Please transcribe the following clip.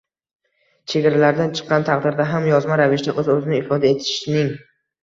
chegaralardan chiqqan taqdirda ham yozma ravishda o‘z-o‘zini ifoda etishning